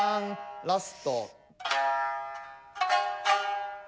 ラスト。